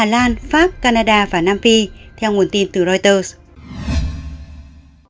lan pháp canada và nam phi theo nguồn tin từ reuters